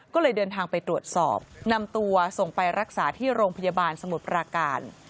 ก็เลยเดินทางไปตรวจสอบนำตัวส่งไปรักษาที่โรงพยาบาลสมุทรปราการ